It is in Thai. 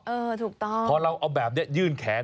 ถูกต้องพอเราเอาแบบนี้ยื่นแขน